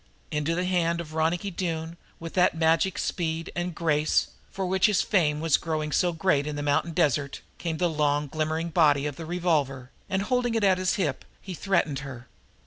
Into the hand of Ronicky Doone, with that magic speed and grace for which his fame was growing so great in the mountain desert, came the long, glimmering body of the revolver, and, holding it at the hip, he threatened her.